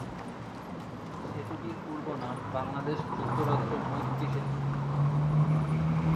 সেতুটির পূর্ব নাম বাংলাদেশ-যুক্তরাজ্য মৈত্রী সেতু।